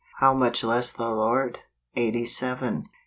How much less the Lord ? Eighty Seven.